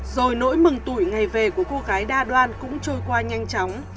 rồi nỗi mừng tuổi ngày về của cô gái đa đoan cũng trôi qua nhanh chóng